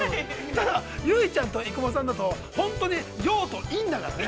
ただ、結実ちゃんと生駒さんだと本当に陽と陰だからね。